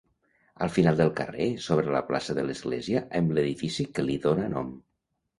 Al final del carrer s'obre la plaça de l'Església amb l'edifici que li dóna nom.